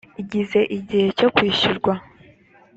igeze igihe cyo kwishyurwa